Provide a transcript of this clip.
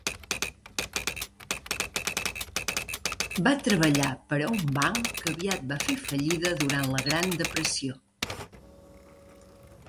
Va treballar per a un banc que aviat va fer fallida durant la Gran Depressió.